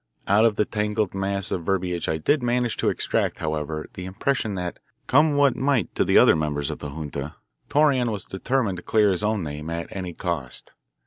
Out of the tangled mass of verbiage I did manage to extract, however, the impression that, come what might to the other members of the junta, Torreon was determined to clear his own name at any cost.